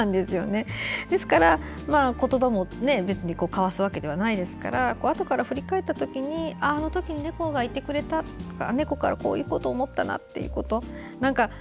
ですから、言葉も交わすわけではないですからあとから振り返った時にあの時に猫がいてくれたこういうことを思ったなとか。